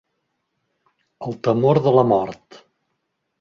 El temor de la mort.